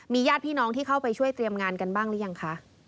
ญาติพี่น้องที่เข้าไปช่วยเตรียมงานกันบ้างหรือยังคะ